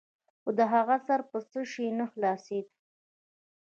خو د هغه سر په څه شي نه خلاصېده.